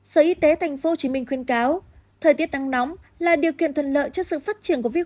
sở y tế tp hcm khuyên cáo thời tiết nắng nóng là điều kiện thuận lợi cho sự phát triển của virus